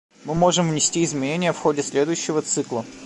Мы можем внести изменение в ходе следующего цикла.